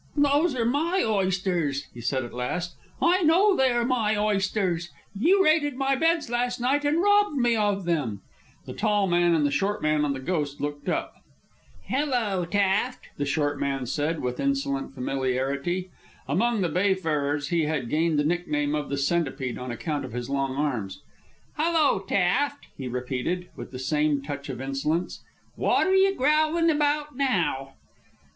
"Those are my oysters," he said at last. "I know they are my oysters. You raided my beds last night and robbed me of them." The tall man and the short man on the Ghost looked up. "Hello, Taft," the short man said, with insolent familiarity. (Among the bayfarers he had gained the nickname of "The Centipede" on account of his long arms.) "Hello, Taft," he repeated, with the same touch of insolence. "Wot 'r you growlin' about now?"